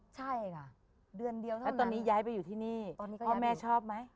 ใช่ค่ะเดือนเดียวเท่านั้นแล้วตอนนี้ย้ายไปอยู่ที่นี่พ่อแม่ชอบไหม